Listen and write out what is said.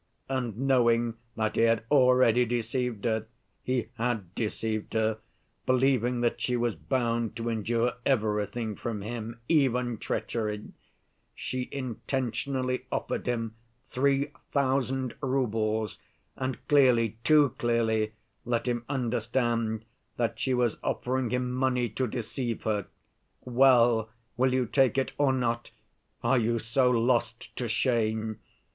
And knowing that he had already deceived her (he had deceived her, believing that she was bound to endure everything from him, even treachery), she intentionally offered him three thousand roubles, and clearly, too clearly, let him understand that she was offering him money to deceive her. 'Well, will you take it or not, are you so lost to shame?